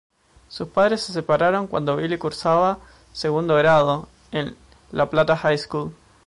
Sus padres se separaron cuando Billy cursaba segundo grado en "La Plata High School".